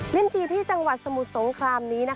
ลิ้นจีที่จังหวัดสมุทรสงครามนี้